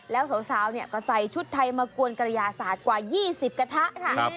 แล้วสาวก็ใส่ชุดไทยมากวนกระยาศาสตร์กว่า๒๐กระทะค่ะ